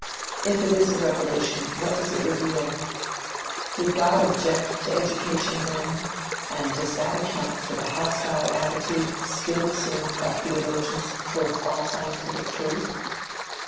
If it is a revelation, what does it reveal? Did God object to education then, and does that account for the hostile attitude still assumed by theologians towards all scientific truth?